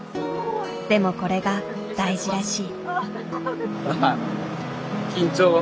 でもこれが大事らしい。